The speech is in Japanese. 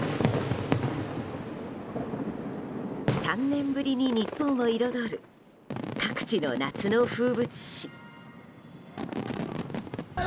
３年ぶりに日本を彩る各地の夏の風物詩。